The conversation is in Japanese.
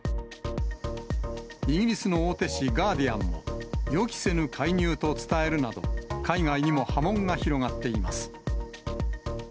イギリスの大手紙、ガーディアンも、予期せぬ介入と伝えるなど、海外にも波紋が広がっています。